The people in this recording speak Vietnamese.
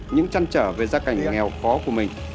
những trăn trở về gia cảnh nghèo khó của mình